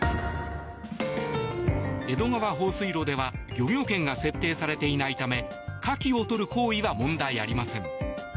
江戸川放水路では漁業権が設定されていないためカキを取る行為は問題ありません。